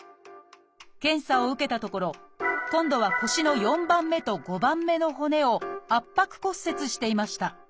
検査を受けたところ今度は腰の４番目と５番目の骨を圧迫骨折していました。